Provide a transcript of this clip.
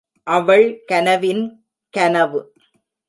அவள் கனவின் கனவு!